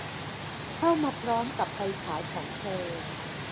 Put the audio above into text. เข้ามาพร้อมกับไฟฉายของเธอ